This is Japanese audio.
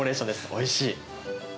おいしい。